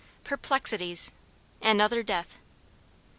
PERPLEXITIES. ANOTHER DEATH.